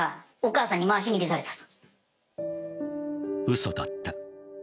嘘だった。